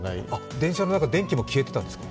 電車の中、電気も消えてたんですか？